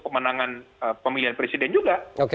pemenangan pemilihan presiden juga